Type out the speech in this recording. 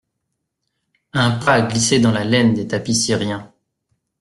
Un pas glissait dans la laine des tapis syriens.